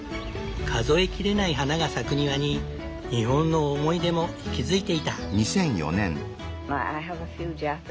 数え切れない花が咲く庭に日本の思い出も息づいていた。